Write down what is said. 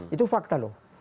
itu fakta loh